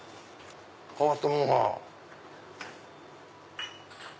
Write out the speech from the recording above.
変わったものが。